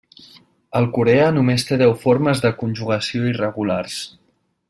El coreà només té deu formes de conjugació irregulars.